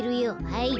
はい。